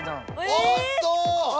おっと！